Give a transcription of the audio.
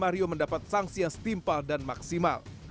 dan juga mendapat sanksi yang setimpal dan maksimal